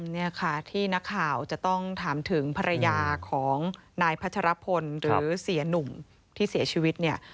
นี่ค่ะที่นักข่าวจะต้องถามถึงภรรยาของนายพัชรพลหรือเสียหนุ่มที่เสียชีวิตเนี่ย